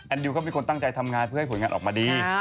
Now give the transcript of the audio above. ดิวก็เป็นคนตั้งใจทำงานเพื่อให้ผลงานออกมาดี